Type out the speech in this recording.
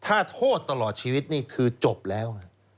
ถ้าโทษตลอดชีวิตนี่คือจบแล้ว